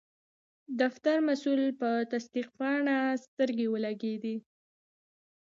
د فتر مسول په تصدیق پاڼه سترګې ولګیدې.